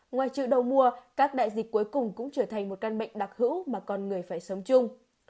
ngoài chợ đầu mùa các đại dịch cuối cùng cũng trở thành một căn bệnh đặc hữu mà con người phải sống chung